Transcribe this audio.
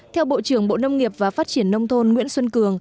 theo bộ trưởng bộ nông nghiệp và phát triển nông thôn nguyễn xuân cường